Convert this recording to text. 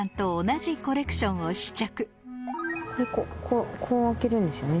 これこう開けるんですよね？